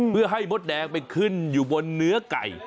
เพื่อให้มดแดงไปขึ้นอยู่บนเนื้อไก่